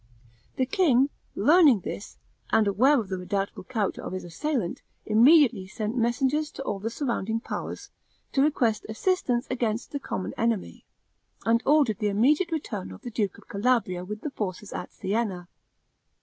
The king, learning this, and aware of the redoubtable character of his assailant, immediately sent messengers to all the surrounding powers, to request assistance against the common enemy, and ordered the immediate return of the duke of Calabria with the forces at Sienna.